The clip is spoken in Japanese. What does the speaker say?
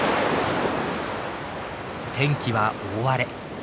天気は大荒れ。